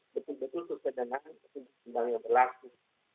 betul betul sesedangannya berlaku